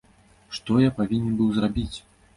Што я павінен быў зрабіць?